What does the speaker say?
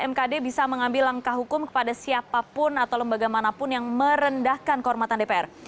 mkd bisa mengambil langkah hukum kepada siapapun atau lembaga manapun yang merendahkan kehormatan dpr